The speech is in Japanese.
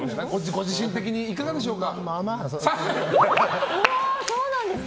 ご自身的にいかがでしょうか？